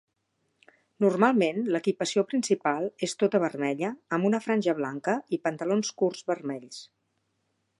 Normalment l'equipació principal és tota vermella amb una franja blanca i pantalons curts vermells.